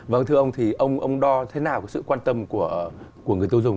vâng thưa ông thì ông ông đo thế nào sự quan tâm của người tiêu dùng